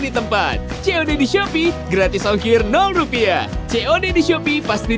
dan terutama percaya kalau reina adalah anak roy